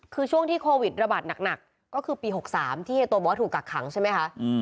คือช่วงที่โควิดระบาดหนักก็คือปี๖๓ที่เฮโตบอสถูกกักขังใช่ไหมคะ